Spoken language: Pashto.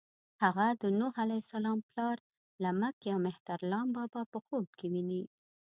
هغه د نوح علیه السلام پلار لمک یا مهترلام په خوب کې ويني.